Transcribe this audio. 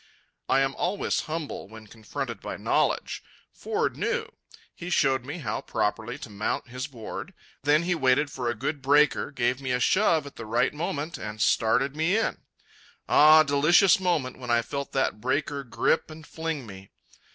I am always humble when confronted by knowledge. Ford knew. He showed me how properly to mount his board. Then he waited for a good breaker, gave me a shove at the right moment, and started me in. Ah, delicious moment when I felt that breaker grip and fling me.